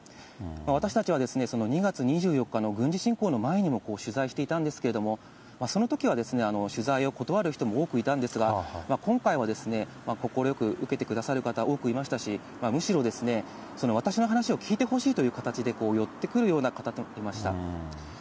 私たちは、２月２４日の軍事侵攻の前にも取材していたんですけれども、そのときは取材を断る人も多くいたんですが、今回は快く受けてくださる方多くいましたし、むしろ私の話を聞いてほしいという形で、寄ってくるような方もいました。